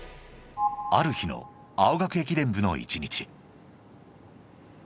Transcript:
［ある日の青学駅伝部の一日］